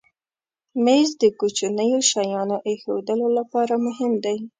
مېز د کوچنیو شیانو ایښودلو لپاره مهم دی.